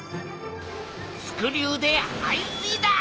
スクリューで排水だ！